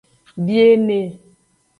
Biene.